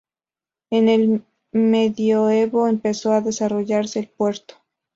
En el Medioevo empezó a desarrollarse el puerto.